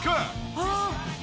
ああ！